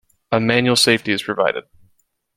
A manual safety is provided.